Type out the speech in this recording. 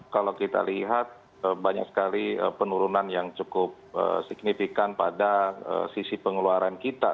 kalau kita lihat banyak sekali penurunan yang cukup signifikan pada sisi pengeluaran kita